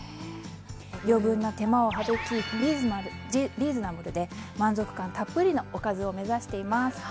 余分な手間を省きリーズナブルで満足感たっぷりのおかずを目指しています。